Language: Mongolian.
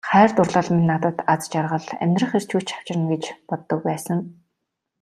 Хайр дурлал минь надад аз жаргал, амьдрах эрч хүч авчирна гэж боддог байсан.